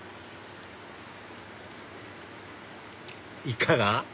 いかが？